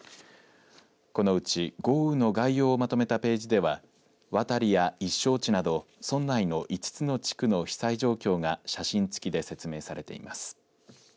このうち、豪雨の概要をまとめたページでは渡や一勝地など村内の５つの地区の被災状況が写真付きで説明されています。